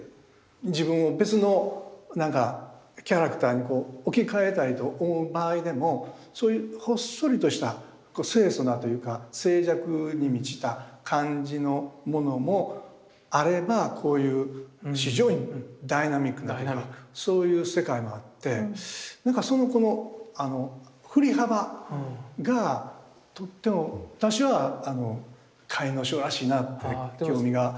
自分を別の何かキャラクターに置き換えたいと思う場合でもそういうほっそりとした清楚なというか静寂に満ちた感じのものもあればこういう非常にダイナミックなというかそういう世界もあってなんかそのこの振り幅がとっても私は甲斐荘らしいなぁって興味があるし。